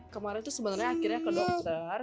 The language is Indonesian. kemarin tuh sebenarnya akhirnya ke dokter